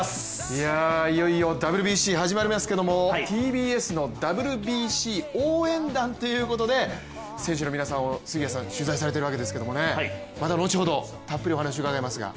いよいよＷＢＣ始まりますけどＴＢＳのＷＢＣ応援団ということで選手の皆さんを取材されているわけですけれどもまた後ほどたっぷりお話伺いますが。